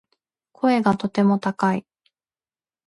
声がとても高い